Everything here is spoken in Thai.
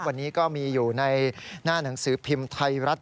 วันนี้ก็มีอยู่ในหน้าหนังสือพิมพ์ไทยรัฐ